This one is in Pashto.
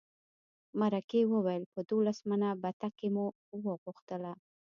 مرکې وویل په دولس منه بتکۍ مو وغوښتله.